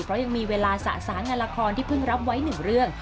เพราะยังมีเวลาสะสางงานละครที่เพิ่งรับไว้หนึ่งเรื่อง